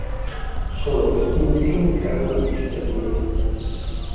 Solo questi ultimi erano i cittadini.